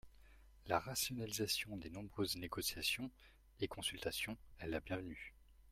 La rationalisation des nombreuses négociations et consultations est la bienvenue.